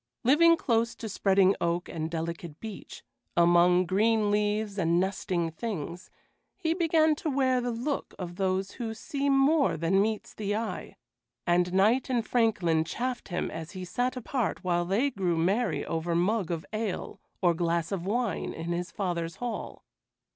Living close to spreading oak and delicate beech, among green leaves and nesting things, he began to wear the look of those who see more than meets the eye, and knight and franklin chaffed him as he sat apart while they grew merry over mug of ale or glass of wine in his father's hall.